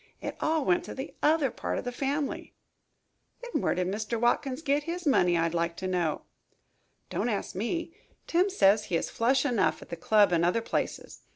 It all went to the other part of the family." "Then where did Mr. Watkins git his money, I'd like to know." "Don't ask me. Tim says he is flush enough at the club and other places.